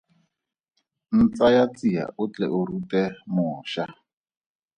Ntsaya tsia o tle o rute moša.